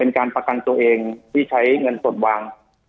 เป็นการประกันตัวเองที่ใช้เงินสดวาง๕๐๐๐๐บาท